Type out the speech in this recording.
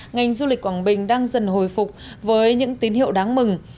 ngành du lịch quảng bình đang dần hồi phục với những tín hiệu đáng mừng